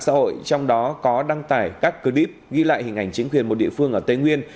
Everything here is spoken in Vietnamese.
xã hội trong đó có đăng tải các clip ghi lại hình ảnh chính quyền một địa phương ở tây nguyên